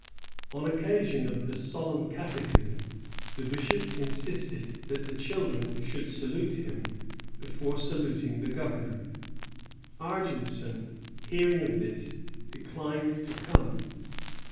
^ On occasion of the ^^ solemn catechism," the bishop insisted that the children should salute him before saluting the governor. Argenson, hearing of this, declined to come.